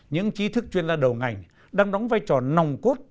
những trí thức chuyên gia đầu ngành đang đóng vai trò nòng cốt